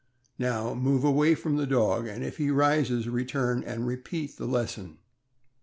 Now move away from the dog, and if he rises, return and repeat the lesson.